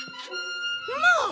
まあ！